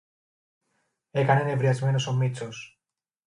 έκανε νευριασμένος ο Μήτσος